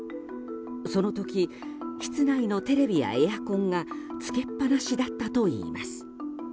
その時室内のテレビやエアコンがつけっぱなしだったといいます。